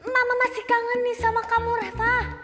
mama masih kangen nih sama kamu reva